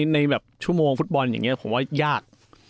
ในแบบชั่วโมงฟุตบอลอย่างนี้ผมว่ายาก